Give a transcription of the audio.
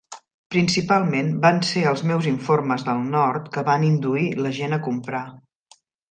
Principalment van ser els meus informes del nord que van induir la gent a comprar.